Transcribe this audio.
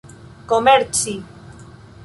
komerci